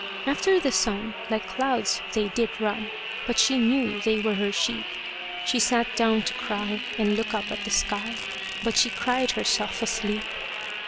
After the sun, like clouds they did run, But she knew they were her sheep: She sat down to cry, and look up at the sky, But she cried herself asleep.